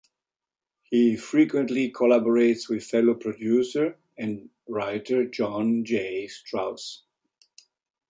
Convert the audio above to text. He frequently collaborates with fellow producer and writer John J. Strauss.